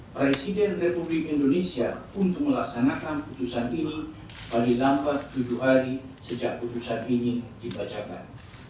empat presiden republik indonesia untuk melaksanakan putusan ini pada lampat tujuh hari sejak putusan ini dibacakan